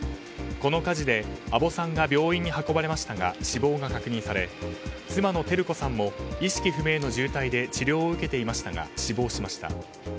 この火事で阿保さんが病院に運ばれましたが死亡が確認され妻の照子さんも意識不明の重体で治療を受けていましたが死亡しました。